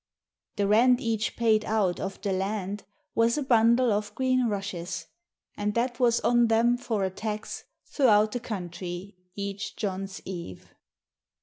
The rent each paid out of the land Was a bundle of green rushes; And that was on them for a tax Throughout the country each John's Eve.